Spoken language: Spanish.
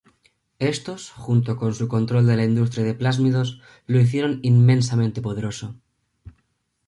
Estos, junto con su control de la industria de plásmidos, lo hicieron inmensamente poderoso.